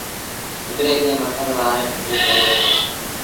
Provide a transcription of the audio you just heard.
هڪڙيٚ کي مٿل وآريٚ ٽوليٚ ڪهيو وهي دو۔